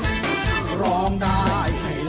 ในรายการร้องได้ให้ร้านลูกทุ่งสู้ชีวิต